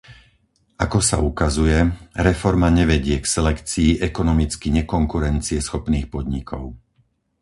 Ako sa ukazuje, reforma nevedie k selekcii ekonomicky nekonkurencieschopných podnikov.